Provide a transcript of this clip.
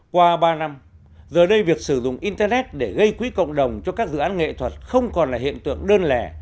qua ba năm giờ đây việc sử dụng internet để gây quỹ cộng đồng cho các dự án nghệ thuật không còn là hiện tượng đơn lẻ